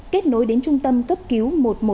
kết nối đến trung tâm cấp cứu một trăm một mươi một